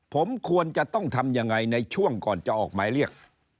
ผมควรจะต้องทำยังไงในช่วงก่อนจะออกหมายเรียก